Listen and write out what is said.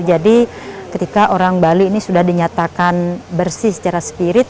jadi ketika orang bali ini sudah dinyatakan bersih secara spirit